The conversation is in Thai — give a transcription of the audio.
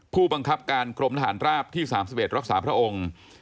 ผู้บังคับการกรมทหารราบที่๓๑รักษาพระองค์